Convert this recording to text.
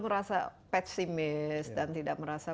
merasa pesimis dan tidak merasa